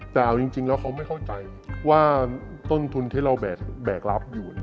แต่เอาจริงแล้วเขาไม่เข้าใจว่าต้นทุนที่เราแบกรับอยู่